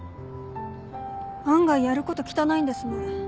案外やること汚いんですね。